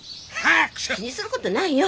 気にすることないよ。